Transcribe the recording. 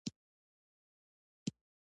• دښمني د ظالم عمل دی.